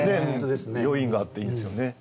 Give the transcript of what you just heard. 余韻があっていいですよね。